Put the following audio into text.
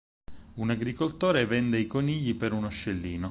Un agricoltore vende i conigli per uno scellino.